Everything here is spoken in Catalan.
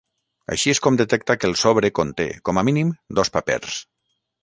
Així és com detecta que el sobre conté, com a mínim, dos papers.